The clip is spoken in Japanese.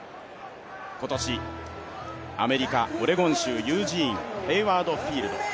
今年、アメリカ、オレゴン州ユージーン、ヘイワード・フィールド。